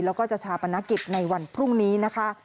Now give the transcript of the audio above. แล้วก็จะชาปนกิจในวันพรุ่งนี้นะคะ